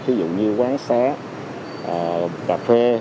ví dụ như quán xá cà phê